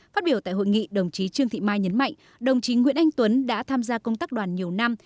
phát biểu tại hội nghị đồng chí trương thị mai nhấn mạnh đồng chí nguyễn anh tuấn đã tham gia công tác đoàn nhiều năm